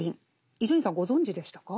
伊集院さんご存じでしたか？